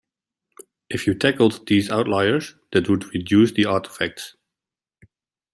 If you tackled these outliers that would reduce the artifacts.